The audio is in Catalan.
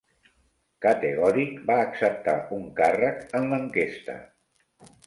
Categòric, va acceptar un càrrec en la Enquesta.